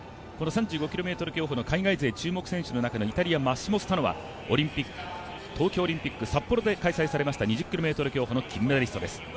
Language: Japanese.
３５ｋｍ競歩の海外勢注目選手の中でイタリアマッシモ・スタノは東京オリンピック、札幌で開催されました２０ｋｍ競歩の金メダリストです。